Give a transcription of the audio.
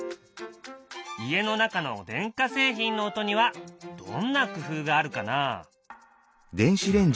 家の中の電化製品の音にはどんな工夫があるかな？